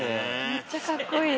めっちゃカッコイイ。